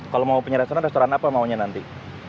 kalau mau punya restoran restoran apa maunya nanti